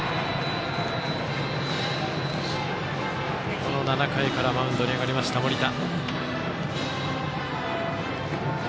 この７回からマウンドに上がりました、盛田。